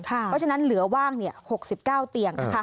เพราะฉะนั้นเหลือว่าง๖๙เตียงนะคะ